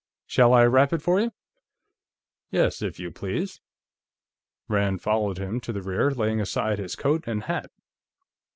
"Shall I wrap it for you?" "Yes, if you please." Rand followed him to the rear, laying aside his coat and hat.